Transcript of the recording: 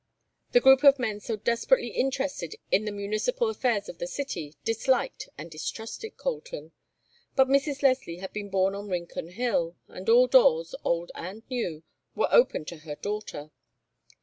The group of men so desperately interested in the municipal affairs of the city disliked and distrusted Colton; but Mrs. Leslie had been born on Rincon Hill, and all doors, old and new, were open to her daughter.